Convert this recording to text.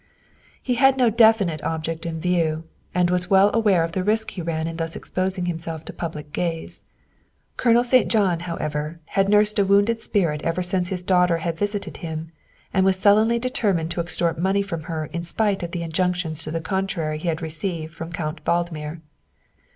He had no definite object in view, and was well aware of the risk he ran in thus exposing himself to public gaze. Colonel St. John, however, had nursed a wounded spirit ever since his daughter had visited him, and was sullenly determined to extort money from her in spite of the injunctions to the contrary he had received from Count Valdmir.